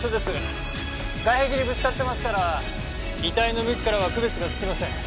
外壁にぶつかってますから遺体の向きからは区別がつきません。